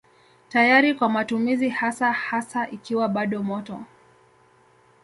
Tayari kwa matumizi hasa hasa ikiwa bado moto.